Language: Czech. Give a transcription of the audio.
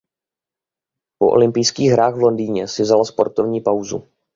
Po olympijských hrách v Londýně si vzala sportovní pauzu.